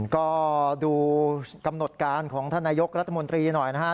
ก็ดูกำหนดการของท่านนายกรัฐมนตรีหน่อยนะครับ